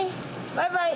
バイバイ！